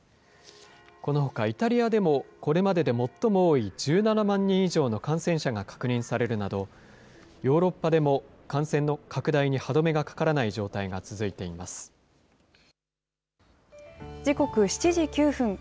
このほか、イタリアでもこれまでで最も多い１７万人以上の感染者が確認されるなど、ヨーロッパでも感染の拡大に歯止めがかからない状態が続いていま時刻７時９分。